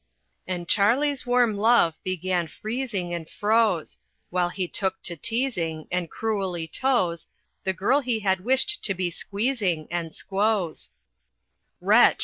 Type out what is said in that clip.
And Charley's warm love began freezing and froze, While he took to teasing, and cruelly tose The girl he had wished to be squeezing and squoze. "Wretch!"